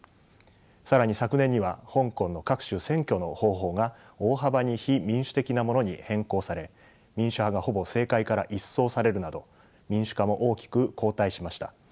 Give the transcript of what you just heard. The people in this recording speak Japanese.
更に昨年には香港の各種選挙の方法が大幅に非民主的なものに変更され民主派がほぼ政界から一掃されるなど民主化も大きく後退しました。